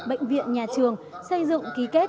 bệnh viện nhà trường xây dựng ký kết